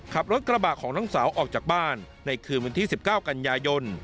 ขับรถกระบะของน้องสาวออกจากบ้านในคืนวันที่๑๙กันยายน